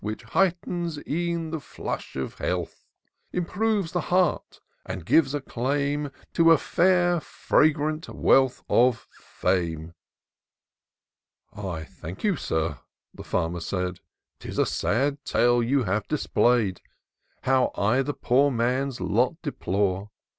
Which heightens e'en the flush of health ; Improves the heart, and gives a claim To a fidr, fragrant wreath of Fame," ^* I thank you, Sir," the Farmer said :—" 'Tis a sad tale you have display'd. How I the poor man's lot deplore